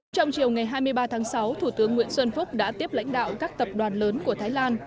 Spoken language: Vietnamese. trong chiều ngày hai mươi ba tháng sáu thủ tướng nguyễn xuân phúc đã tiếp lãnh đạo các tập đoàn lớn của thái lan